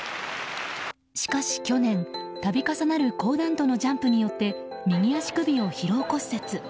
しかし去年、度重なる高難度のジャンプによって右足首を疲労骨折。